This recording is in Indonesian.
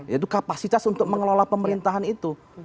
yaitu kapasitas untuk mengelola pemerintahan itu